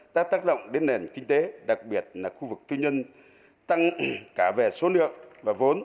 đã tác động đến nền kinh tế đặc biệt là khu vực tư nhân tăng cả về số lượng và vốn